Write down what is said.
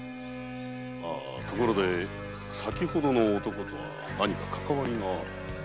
ところで先ほどの男とは何か関係が？